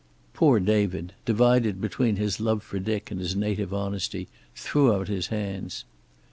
Poor David, divided between his love for Dick and his native honesty, threw out his hands.